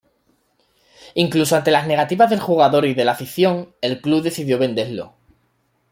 Incluso ante las negativas del jugador y de la afición, el club decidió venderlo.